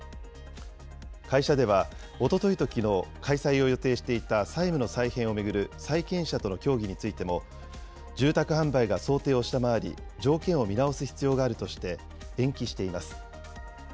会社では、おとといときのう、開催を予定していた債務の再編を巡る債権者との協議についても、住宅販売が想定を下回り、条件を見直す必要があるとして、延期しています。